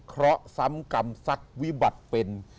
เพราะซ้ำกรรมซักวิบัติเป็น